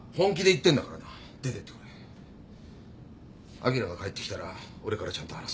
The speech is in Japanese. あきらが帰ってきたら俺からちゃんと話す。